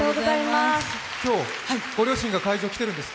今日、ご両親が会場に来ているんですって。